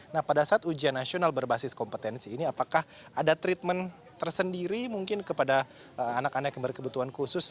nah pada saat ujian nasional berbasis kompetensi ini apakah ada treatment tersendiri mungkin kepada anak anak yang berkebutuhan khusus